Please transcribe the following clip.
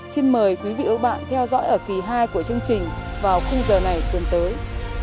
xin mời quý vị và các bạn theo dõi ở kỳ hai của chương trình vào khung giờ này tuần tới